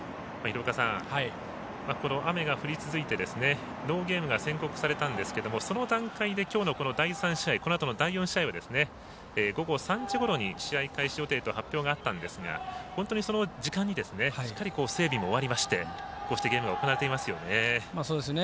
雨が降り続いてノーゲームが宣告されたんですがその段階で、きょうの第３試合このあとの第４試合は午後３時ごろに試合開始予定と発表があったんですが本当にその時間にしっかり整備も終わりましてゲームも行われていますね。